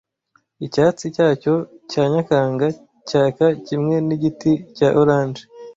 icyatsi cyacyo cya nyakanga cyaka kimwe nigiti cya orange